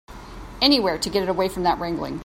Anywhere to get away from that wrangling.